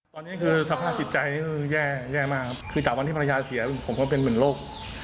ตอนนี้คือสภาพจิตใจนี่คือแย่มากครับคือจากวันที่ภรรยาเสียผมก็เป็นเหมือนโรค